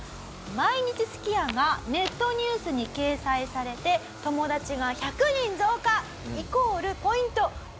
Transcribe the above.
毎日すき家がネットニュースに掲載されて友達が１００人増加イコールポイント